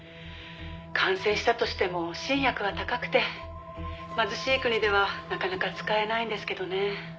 「完成したとしても新薬は高くて貧しい国ではなかなか使えないんですけどね」